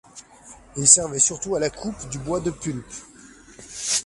Il servait surtout à la coupe du bois de pulpe.